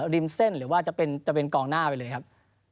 ริมเส้นหรือว่าจะเป็นกองหน้าไปเลยครับ